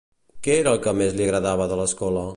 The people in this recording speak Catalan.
Què era el que més li agradava de l'escola?